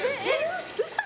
嘘！